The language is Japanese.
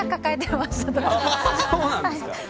そうなんですか？